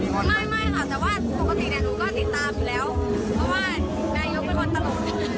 ก็คือความรำยายแฮงก็คือบนบริษฐีการแสดงนะคะ